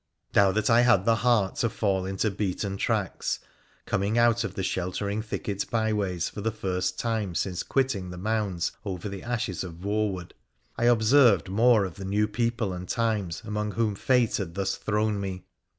Now that I had the heart to fall into beaten tracks, coming out of the sheltering thicket byways for the first time since quitting the mounds over the ashes of Voewood, I observed more of the new people and times among whom fate had thua thrown me.